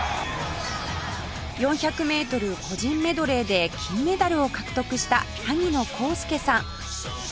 ４００メートル個人メドレーで金メダルを獲得した萩野公介さん